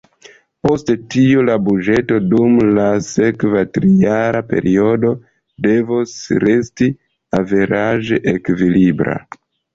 Post tio la buĝeto dum la sekva trijara periodo devos resti averaĝe ekvilibra.